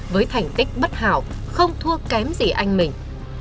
với thành tích bất hảo không thua kém gì anh mình